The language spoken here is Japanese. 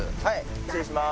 失礼します。